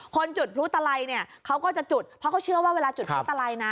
คนจุดพูดตะไลเนี่ยเขาก็จะจุดเพราะเขาเชื่อว่าเวลาจุดพูดตะไลนะ